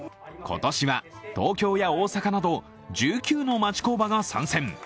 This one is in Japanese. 今年は東京や大阪など１９の町工場が参戦。